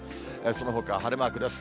そのほか晴れマークです。